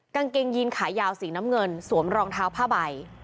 กางเกงยีนขายาวสีน้ำเงินสวมรองเท้าผ้าใบ